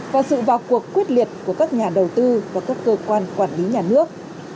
và sự vào cuộc quyết liệt của các nhà đầu tư và các cơ quan quản lý nhà nước